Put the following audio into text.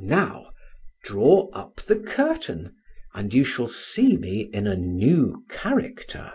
Now draw up the curtain, and you shall see me in a new character.